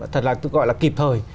thật là tôi gọi là kịp thời